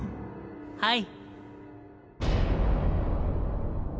はい。